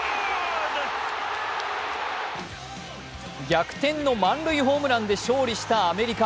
逆転の満塁ホームランで勝利したアメリカ。